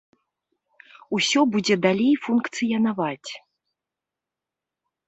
Усё будзе далей функцыянаваць.